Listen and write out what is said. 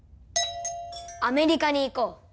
アメリカに行こう。